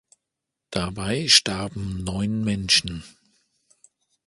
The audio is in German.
Dabei starben neun Menschen.